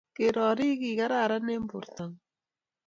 kerori kikararan eng bortongung.